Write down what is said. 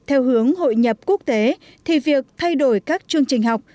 theo hướng hội nhập quốc tế thì việc thay đổi các chương trình học